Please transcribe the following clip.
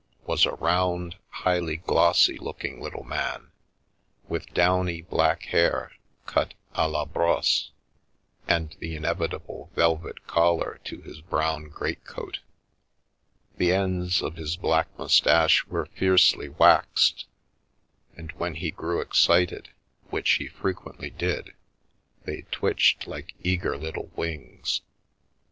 was a round, highly glossy looking little man with downy black hair cut d la brosse, and the inevitable velvet collar to his brown greatcoat. The ends of his black moustache were fiercely waxed, and when he grew excited, which he frequently did, they twitched like eager little wings.